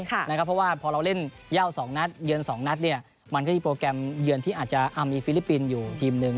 เพราะว่าพอเราเล่นย่าว๒นัดเยือน๒นัดเนี่ยมันก็จะมีโปรแกรมเยือนที่อาจจะมีฟิลิปปินส์อยู่ทีมหนึ่ง